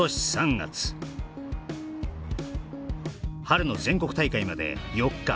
春の全国大会まで４日